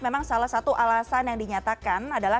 memang salah satu alasan yang dinyatakan adalah